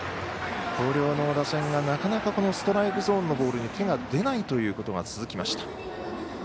広陵の打線が、なかなかストライクゾーンのボールに手が出ないということが続きました。